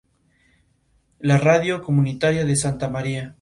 Es un destino valioso para la pesca de trucha marrón.